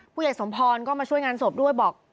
ผู้ใหญ่สมพรก็มาช่วยงานศพด้วยบอก